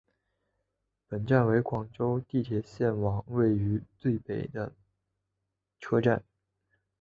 本站为广州地铁线网位处最北的车站。